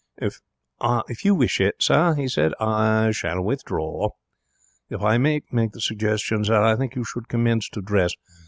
'If you wish it, sir,' he said, 'I will withdraw. If I may make the suggestion, sir, I think you should commence to dress.